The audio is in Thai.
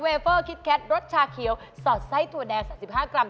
เฟอร์คิดแคทรสชาเขียวสอดไส้ถั่วแดง๓๕กรัม